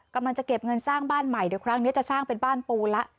กำลังจะเก็บเงินสร้างบ้านใหม่เดี๋ยวครั้งนี้จะสร้างเป็นบ้านปูนละ